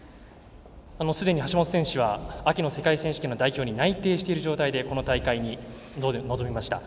すでに橋本選手は秋の世界選手権の代表に内定している状態でこの大会に臨みました。